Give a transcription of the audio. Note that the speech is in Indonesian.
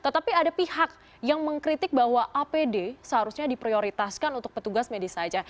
tetapi ada pihak yang mengkritik bahwa apd seharusnya diprioritaskan untuk petugas medis saja